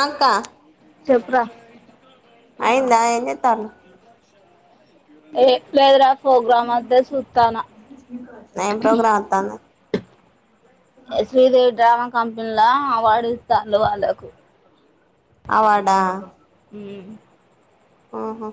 అంకా చెప్పురా అయిందా ఎంచేస్తున్నావ్ ఏంలేదురా ప్రోగ్రామ్ వత్తే చూత్తాన్న ఏం ప్రోగ్రాం వత్తాంది శ్రీదేవి డ్రామ కంపెనీలా అవార్డు ఇస్తారు వాళ్ళకు అవాడా హ్మ్ ఆహా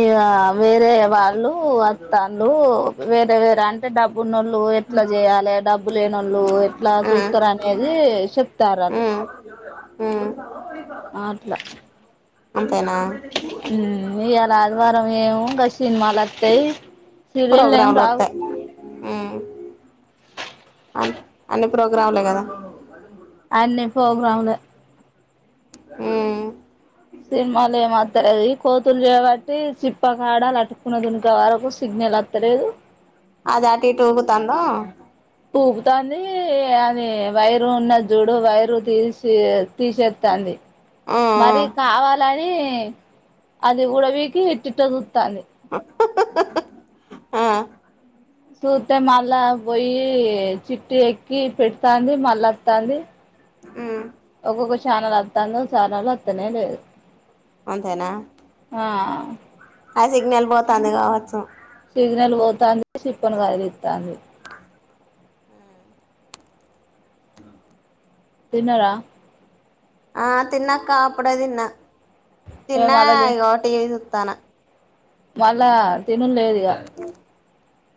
ఇ వేరే వా లు అత్తలు వేరే వేరే అంతేడబ్బు ఉన్నోళ్ళు ఎట్లా చేయాలి డబ్బు లేని వాళ్ళు ఎట్లా ఊ చూస్తారు అనేది చెప్తారు వాళ్ళు మ్ అట్లా అ హ్మ్ ఇయ్యాల ఆదివారం ఏమ కష్ట సినిమాలొత్తాయ్ సీరియల్ ఏం ప్రోగ్రాంలు రావ్ వత్తాయి ఊ అన్ని ప్రోగ్రాములే కదా అన్ని పోగ్రాములే ఉమ్ సినిమాల్ ఏం వాత ది కోతులు చేబట్టి సిప్పకాడ లటుకున్న దుకే వరకు సిగ్నల్ వత్తలేదు అది అటు ఇటు ఊగుతందో ఊపుతాంది అది వైరు ఉన్నది చూడు వైరు తీసి తీసేస్తంది ఊ ఊ మరి కావాలని అది ఉడవికి ఇట్టిట్ట చూస్తుంది అహహా ఆ సూత్తె మల్ల పోయి చిట్టి ఎక్కి పెట్ వత్తాంది మళ్ళ వత్తాంది ఊ ఒక్కొక్క చానలు అత్తాందో చానలు అత్తనేలదు అంతేనా ఆ ఆ సిగ్నల్ పోతాంది గావచ్చు. సిగ్నల్ పోతాందీ సిప్ న కదిలిస్తాంది. తిన్నరా ఆ తిన్నాక్కా అప్పుడే దిన్నా. మేము చిన్నా మళ్ళ తి ఇగో టీ ఈద్ తనా మళ్ళా తినుడు లేదు ఇగ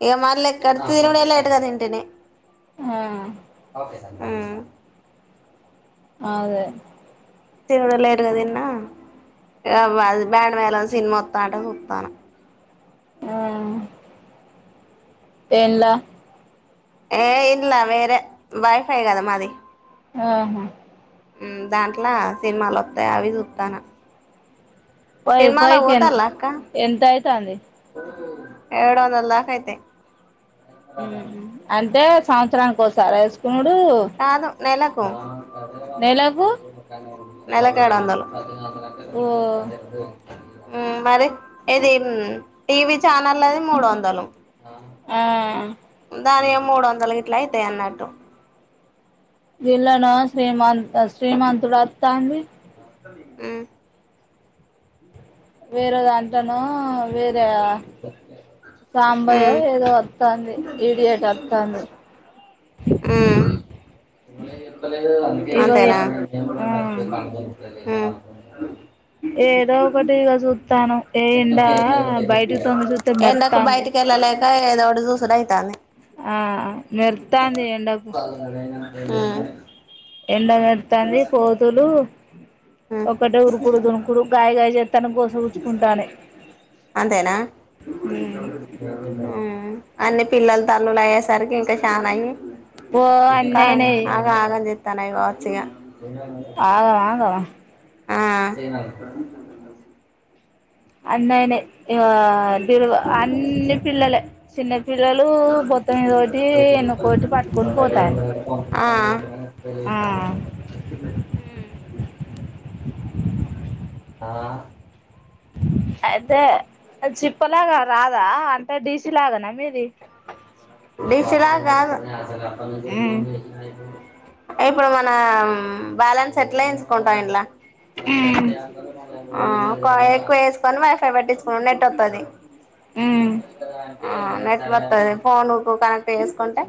ఇగ మల్లే ఎక్కడిది తినుడే లేట్ గా తింటిని హ్మ్ హ్మ్ ఆదే తినడు లేటుగా తిన్నా ఆ బ బ్యాండ్ మేళం సినిమొత్తంటే సూత్తన హ్మ్ ఏల్ల ఏ ఇల్లా వేరే వైఫై గదా మాది. ఆహ హ్మ్ దాంట్లా సినిమాలు వత్తయి అవి సూత్తాన వైఫై కి ఎంత్ అక్క ఎంత అయితాంది. ఏడు వందల్ దాకా అయితయ్ ఊహు అంటే సంవత్సరానికోసారి వేసుకున్ కాదు నెల ఓ అవయవాలకు నెలకు రెండుర్కి ఒక ఆయన ఉండే నెల కేడొందలు ప ఓ అదేదు [inaudible] మ్ మరి ఇది టీవీ ఛానల్ లది మూదొందలు ఆ దాని మూడు వందలు గిట్లా అయితై అన్నట్టు వీళ్ళను శ్రీమంత్ శ్రీమంతుడు అత్తంది ఊ వేరే దాంట్లోనో వేరే ఆ సాంబాయ్య ఏదో వత్తంది ఇడియాట్ టత్తాంది అంతేనా ఆ ఊ ఏదో ఒకటి ఇగ సూత్తాను. ఏండా బయటికి తొంగి చూస్తే మెరత్తాంది ఇంకా ఏదోటి చూసిన ఇత్తాన్నే ఆ మెరుత్తాంది ఎండకు ఎండ పెడతంది కోతులు ఒక్కటే ఉరుకుడు దునుకుడు గాయగాయ చే అంతేనా అన్ని పిల్లలు తల్లులు అయ్యేసరికి ఇంకా చా నయి ఓ కా అన్నయినై ఆగా ఆగా చే తనే గావచ్చుగా ఆగవాగవ అన్నయనే [unintelligible] పిరుగు అన్నీ పిల్లలే చిన్న పిల్లలు పొత్తొమ్మిది ఎన్నుకోటి పట్టుకొని పోతాయి ఆ ఆ ఆ ఆ అయితే చిప్ప లాగా రాదా అంటే డీసీ లాగనా మీది బిసిలా కాదు మ్ ఇప్పుడు మనం బ్యాలెన్స్ ఎట్లేయించుకుంటాం ఇంట్లా ఉమ్ ఆ కాఎక్కువేసుకొనివైఫై పెట్టించుకో నెట్ ఒత్తాది ఉమ్ భూమున్నది కదా ఆ నెట్ వత్తది ఫోనుకు కనెక్ట్ చేసుకుంటే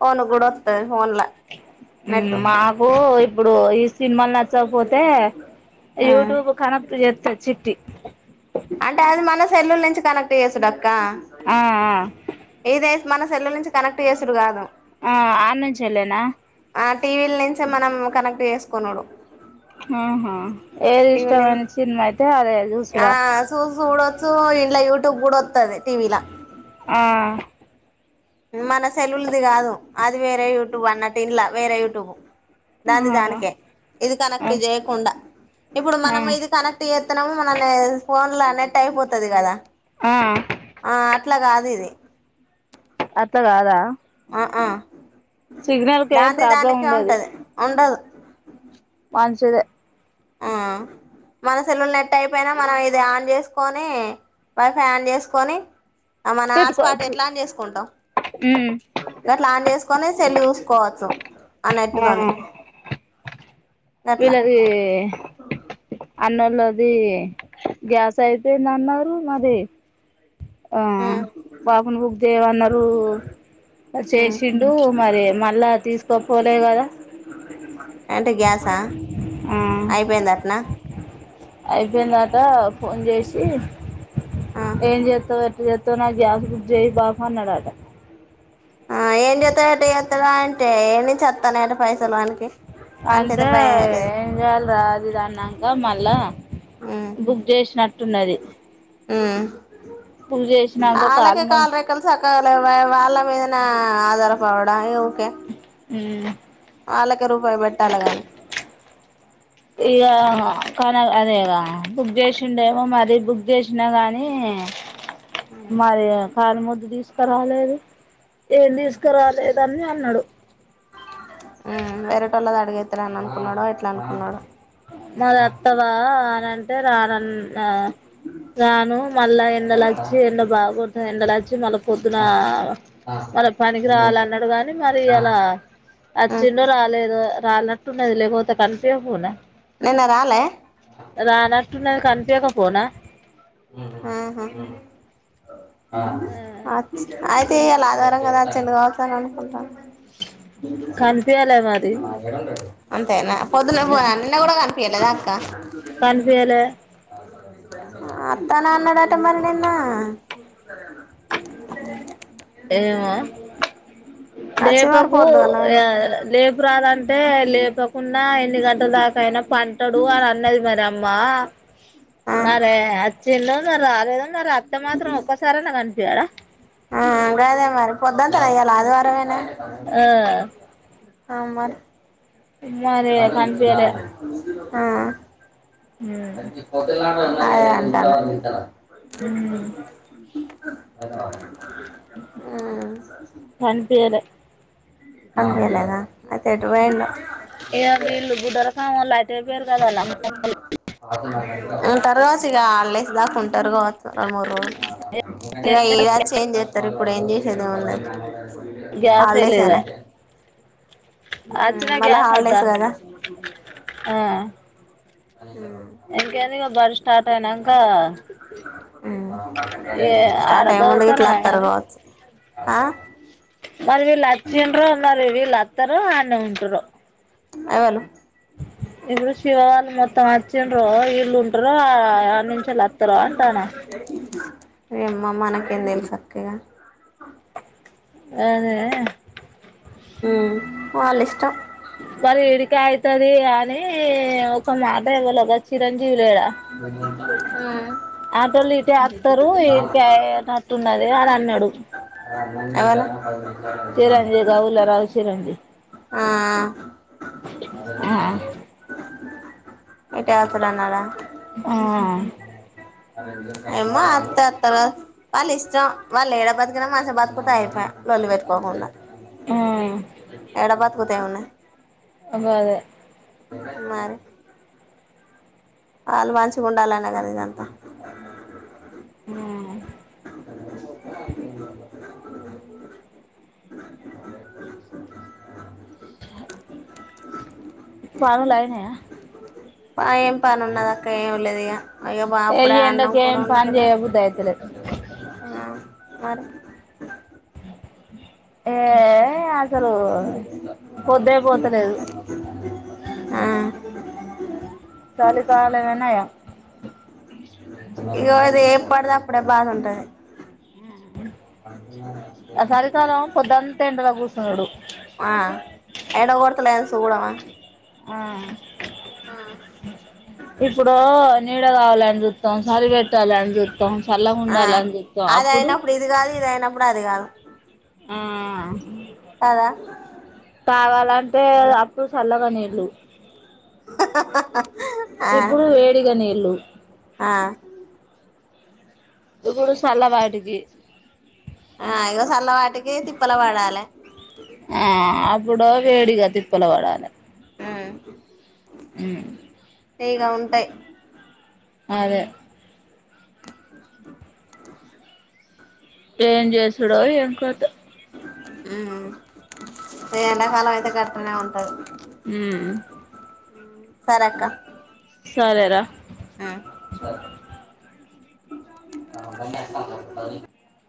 ఫోనుక్కూడా వత్తది ఫోన్లా నెట్టు మాకూ ఇప్పుడు ఈస్ సినిమాల్ నచ్చకపోతే యూట్యూబ్ కనెక్ట్ చేత్తది చిట్టి అంటే అది మన సెల్లుల్ నుంచి కనెక్ట్ చేస్తుడు [inaudible] కా ఆ ఆ ఏది మన సెల్లుల్ నుంచి కనెక్ట్ చేసుడు కాదు ఆ ఆన్నుంచి ఎల్లిన ఆ టీవీల నుంచే మనం కనెక్ట్ చేసుకునుడు ఆహా ఏది టీవీల ఇష్టమైన నుంచి చినిమా అయితే అదే సూసు ఆ సూ చూడొచ్చు ఇండ్లా యూట్యూబ్ కూడా వత్తది టీవీల ఆ మన సెలవులది కాదు అది వేరే యూట్యూబ్ అన్నట్టు ఇంలా వేరే యూట్యూబ్ దాన్ని ఆ దానికే ఇది కనెక్ట్ చేయకుండా ఇప్పుడు ఆ మనం ఇది కనెక్ట్ చే మనని ఫోన్ లో నెట్ అయిపోతుది కదా ఆ ఆ అట్లా కాదు ఇది అట్ల కాదా ఆ ఆ సిగ్నల్ కే ఏం దాంది ప్రాబ్లం దానికే ఉండది ఉంటది ఉండదు మంచిదే ఆ మన సేల్లులు నెట్ అయిపోయిన మనం ఇది ఆన్ చేసుకొని వైఫై ఆన్ చేసుకొని అ మన హాట్స్పాట్ పెట్టుకోవచ్చు ఎట్లా ఆన్ చేసుకుంటాం ఉమ్ గట్లా ఆన్ చేసుకు కొని సెల్ చూసుకోవచ్చు ఆ నెట్ తోనే వీళ్ళది అన్నోళ్లది గ్యాస్ అయిపోయింది అన్నారు మరి ఆ ఉమ్ బాబుని బుక్ చేయమన్నారు ఉమ్ చేసిండు మరి మళ్ళా తీసుకు గొప్పోలేకదా ఎంటి గ్యాస్ ఆ ఆ ఐపోయిందట్న అయిపోయిందట ఫోన్ చేసి ఆ ఏం చేతది ఎట్లా చేతది ఇదో నాకు గ్యాస్ బుక్ చెయ్ బాబు అన్నాడంట ఆ ఏం చేస్తాడంట ఎట్ల చేస్తాడంట అంటే ఏ నుంచి వస్తాయంట పైసలు వాననికి అంటే ఏం చేయాలి రా అది ఇది అన్నంకా మళ్ళా బుక్ చేసినట్టున్నది బుక్ చేసినాక కాలు వాళ్ళకే మొ కాల రెక్కలు సక్కాగ లేవయే వాళ్ళ మీద నా ఆధారపడద ఊకె హ్మ్మ్ వాళ్ళకి రూపాయి పెట్టాల గాని ఇగ కాన అదే ఇక బుక్ చేసిండేమో మరీ బుక్ చేసినా గానీ మరి కాలి మొద్దు తీసుకురాలేదు ఏం తీసుకురాలేదు అని అన్నాడు హ్మ్మ్ వేరేటోళ్ళ అడిగే ఇస్తా అని అనుకున్నాడ ఎట్లా అనుకున్నాడు మర అత్తదా అని అంటే అంటే రానని ఆ రాను మళ్ళా ఎండల వచ్చి ఎండ బాగ కొడతాది. ఎండలు వచ్చి మళ్ళా పొద్దున మళ్ళ పనికి రావాలన్నాడు. కానీ మరి అలా ఉమ్ వచ్చిండో రాలేదో చాల నట్టున్నది లేకపోతే కనిపియపో పోనా నిన్న రాలే తున్న కాంటేకే పోనా ఉ హ హా అ ఆయితే ఎలాగా ఇలాంగాదా వచ్చిండు వత్తా అనుకుంటా కనిపియాలే మరి న అంతేనా పొద్దున్న పోయే నిన్న కూడా కనిపియలేదా అక్క. కనిపియాలే వత్తాను అన్నాడు అం అత్త మరణన్నా [unintelligible] చడి ఏ విజాల ఏమో [unintelligible] లేపకు య పోయిండు రేపు రాదం అంటే లేపకుండా ఎన్ని గంటల దాకా అయినా పంటడు అని అన్నది మరి ఆ అమ్మ ఆ మరే వచ్చిండు ద రాలేద ఆన్ అన్న అత్త మాత్రం ఒక్కసారైనా కనిపియ్యడా ఆ అదేగా మరి పొద్దంతా ఎలా ఆదివారం నువ్వేనా ఆ తయ్ అమర్ మరే కనిపియ్యలే అ పొట్టిల అన్న హాయ్ అంట వింటా పెం ఉమ్ పై [unintelligible] ఇంకా [unintelligible] కనిపియలే ఉ కనిపియ్యలేదా అయితే ఎటు పోయిండు కావాలంటే అఆ [unintelligible] నేను తర్వాతగా అల్లేసి దాక ఉంటారు. ఇంక మూడు రోజులు ఇక ఇ వచ్చే ఏం చేస్తారు. ఇప్పుడు ఏం చేసేదేముండది. గ్యాసే లేదాయే అచ్చినా మళ్ళా గ్యాస్ అద్దా హాలిడేస్ కదా హా అయినంక ఉమ్ ఏ ఉమ్ ఆడ స్టార్ట్ హ ముందు గిట్ల చదువుతారా అత్తరు మరి కావచ్చు. ఆ మరి విలచ్చిండ్రో మరి వీల్లు వస్తరో ఆన్నే ఉంటరో ఎవళు ఇలు శివ వాళు మొత్తం అచ్చిండ్రో ఇల్ ఉం ఉంటరో ఆనుంచి అత్తరో అంటానా ఎమో మనకేంతెల్సు అక్క ఇగ అదే ఉమ్ వాళ్ళ ఇష్టం. మరి ఈడికే అయితది అని ఒక మాట ఎవ్వలో గ చిరంజీవి లేడ ఆటోళ్ళు ఇటే అత్తరు ఇడికే అయ్యేటట్టున్నది అని న్నడు ఎవలు చిరంజీవి గౌల్లరావు చిరంజీవి ఆ ఆ ఇటే అత్తనన్నాడ. ఏమో అత్తె అత్తరు కావచ్చు. వాళ్ళ ఇష్టం వాళ్ళు ఏడ బతికినా మంచిగ బతికితే అయిపాయె లొల్లి పెట్టుకోకుండా. ఆ కుతేఏంఉన్నది. ఆగదే మరి ఆళ్ళు మంచిగ ఉండాలనే కదా ఇదంతా ఉమ్ పనులు అయినయ. ఏం పని ఉన్నది అక్క ఏమి లేదు ఇగ అయ్యో బా ఈ అప్పుడే అన్నం ఎండకి కూర ఏం పని అండుకునే. చేయబుద్ధి అయితలేదు మరి ఏ అసలు పొద్దే పోతలేదు ఆ చలికాలమే నయం ఇగో ఇది ఏప్పడిది అప్పుడే బాగుంటాయి. ఆడు ఆ ఎడ కోరతలేద సూడమా ఆ ఇప్పుడు నీడ గావాలని చూ సం సరి పెట్టాలి అని చూస్తం చల్లగ ఆ ఉండాలని చూతాం అది అప్పుడు అయినప్పుడు ఇది కాదు ఇది అయినప్పుడు అది కాదు ఆ కదా కావాలంటే అంటే అప్పుడు చల్లగ నీళ్లు హ హ హ ఇప్పుడు వేడిగ నీళ్లు ఆ ఇప్పుడు చల వాటికి ఆ ఇగో చల్ల వాటికి తిప్పల పడాలి ఆ అప్పుడు వేడిగా తిప్పలు పడాలి ఆ అ నగా ఉంటాయి అదే ఏం చేసుడో ఏం కతో ఆ ఎండాకాలం అయితే కష్టమే ఉంటది హ సర అక్క సరేరా ఉమ్ [inaudible]